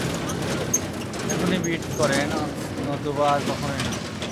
এখনি বিড করেন নতুবা আর কখনোই না।